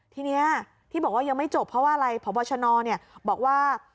ทีนี้ที่บอกว่ายังไม่จบเพราะว่าอะไรพบชนบอกว่า